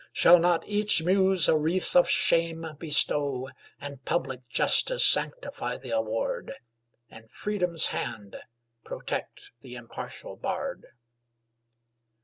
Shall not each Muse a wreath of shame bestow? And public Justice sanctify the award? And Freedom's hand protect the impartial bard?